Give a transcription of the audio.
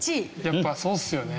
やっぱりそうですよね。